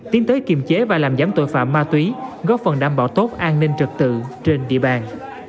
tiến tới kiềm chế và làm giám tội phạm ma túy góp phần đảm bảo tốt an ninh trật tự trên địa bàn